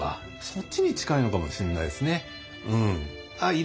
そっちに近いのかもしんないですね。